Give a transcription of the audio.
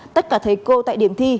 tất cả thầy cô tại điểm thi